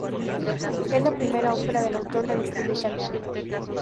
Es la primera ópera del autor, de estilo italiano.